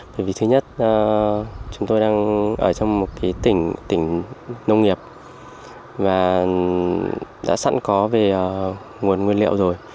tại vì thứ nhất chúng tôi đang ở trong một tỉnh tỉnh nông nghiệp và đã sẵn có về nguồn nguyên liệu rồi